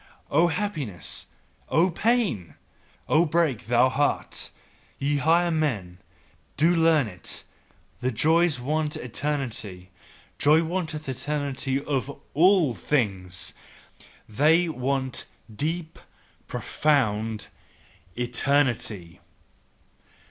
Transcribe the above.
O happiness, O pain! Oh break, thou heart! Ye higher men, do learn it, that joys want eternity. Joys want the eternity of ALL things, they WANT DEEP, PROFOUND ETERNITY!